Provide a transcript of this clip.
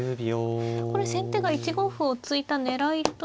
これ先手が１五歩を突いた狙いというのは。